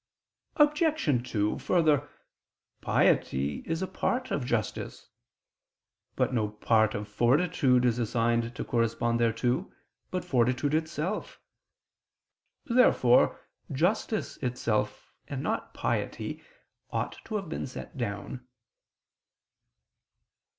Obj. 2: Further, piety is a part of justice. But no part of fortitude is assigned to correspond thereto, but fortitude itself. Therefore justice itself, and not piety, ought to have been set down.